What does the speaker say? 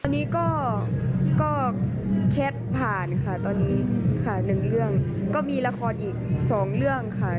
อันนี้ก็เคล็ดผ่านค่ะตอนนี้ค่ะหนึ่งเรื่องก็มีละครอีกสองเรื่องค่ะ